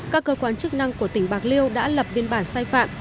các cơ quan chức năng của tỉnh bạc liêu đã lập biên bản sai phạm